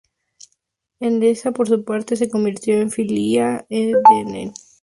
Endesa, por su parte, se convirtió en filial de Enel.